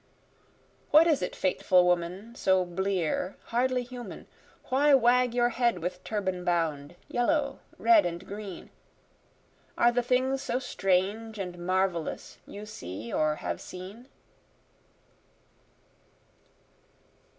What is it fateful woman, so blear, hardly human? Why wag your head with turban bound, yellow, red and green? Are the things so strange and marvelous you see or have seen?